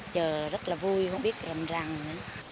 chờ rất là vui không biết làm ràng gì nữa